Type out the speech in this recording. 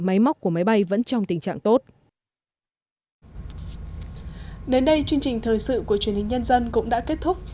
máy móc của máy bay vẫn trong tình trạng tốt